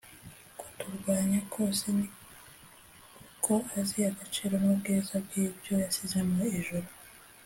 Kuturwanya kose ni uko azi agaciro n’ubwiza bw’ibyo yasize mu ijuru